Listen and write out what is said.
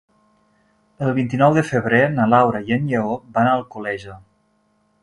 El vint-i-nou de febrer na Laura i en Lleó van a Alcoleja.